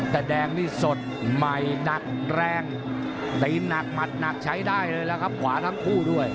แต่แดงนี่สดใหม่หนักแรงตีนหนักหมัดหนักใช้ได้เลยแล้วครับขวาทั้งคู่ด้วย